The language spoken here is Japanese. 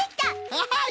アハハッ。